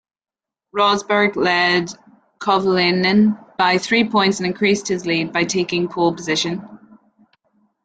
Rosberg led Kovalainen by three points and increased his lead by taking pole position.